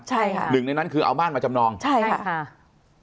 ใช่ค่ะหนึ่งในนั้นคือเอาบ้านมาจำนองใช่ค่ะ